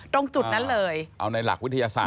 ตรงจุดนั้นเลยเอาในหลักวิทยาศาส